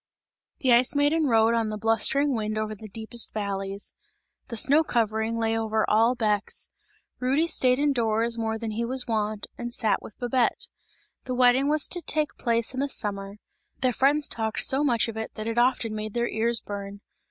The Ice Maiden rode on the blustering wind over the deepest valleys. The snow covering lay over all Bex; Rudy stayed in doors more than was his wont, and sat with Babette. The wedding was to take place in the summer; their friends talked so much of it that it often made their ears burn.